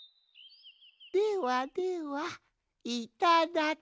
ではではいただき。